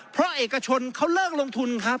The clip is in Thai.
เพราะเอกชนเขาเลิกลงทุนครับ